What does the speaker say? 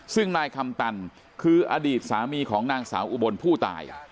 ซึ่งนายคำตันคืออดีตสามีของนางสาวอุบลผู้ตาย